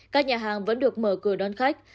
các nhà hàng vẫn được mở cửa đón khách